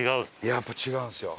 やっぱ違うんですよ。